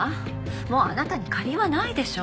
もうあなたに借りはないでしょ。